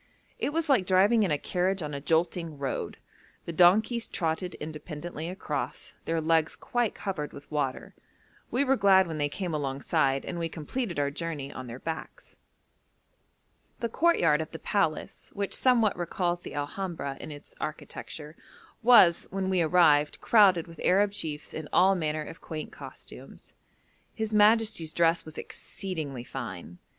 It was like driving in a carriage on a jolting road; the donkeys trotted independently across, their legs quite covered with water. We were glad when they came alongside, and we completed our journey on their backs. The courtyard of the palace, which somewhat recalls the Alhambra in its architecture, was, when we arrived, crowded with Arab chiefs in all manner of quaint costumes. His majesty's dress was exceedingly fine.